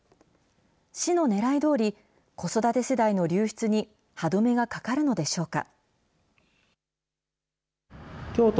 市のねらいどおり、子育て世代の流出に歯止めがかかるのでしょうか。